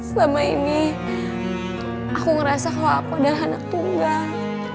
selama ini aku ngerasa kalau aku udah anak tunggal